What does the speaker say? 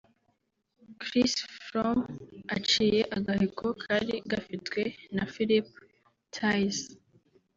Chris Froome aciye agahigo kari gafitwe na Philippe Thys